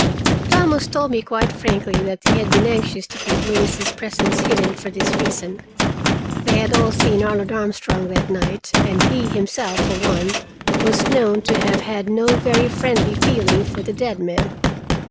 Thomas told me quite frankly that he had been anxious to keep Louise's presence hidden for this reason: they had all seen Arnold Armstrong that night, and he, himself, for one, was known to have had no very friendly feeling for the dead man.